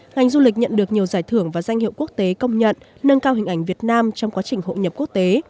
ngành du lịch nhận được nhiều giải thưởng và danh hiệu quốc tế công nhận nâng cao hình ảnh việt nam trong quá trình hội nhập quốc tế